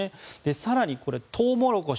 更にトウモロコシ